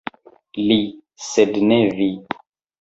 Li, sed ne vi!